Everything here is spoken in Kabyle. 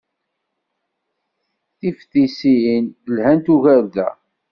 Tiftisin lhant ugar da.